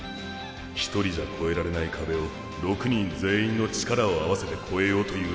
一人じゃ越えられないカベを６人全員の力を合わせて越えようという闘いだ。